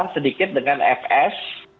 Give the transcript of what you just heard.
sedikit dengan fs